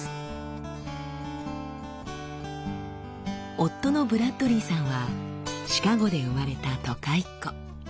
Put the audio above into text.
夫のブラッドリーさんはシカゴで生まれた都会っ子。